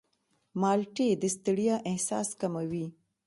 مالټې د ستړیا احساس کموي.